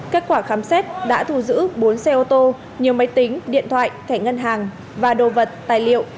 kết quả khám xét đã thu giữ bốn xe ô tô nhiều máy tính điện thoại thẻ ngân hàng và đồ vật tài liệu